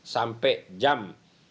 sampai jam enam belas